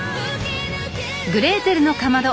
「グレーテルのかまど」